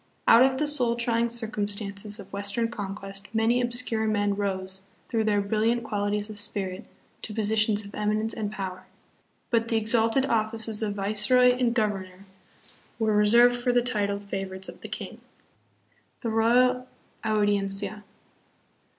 Out of the soul trying circumstances of Western conquest many ob scure men rose, through their brilliant qualities of spirit, to positions of eminence and power; but the exalted of fices of viceroy and governor were reserved for the titled favorites of the king. The Royal Audiencia.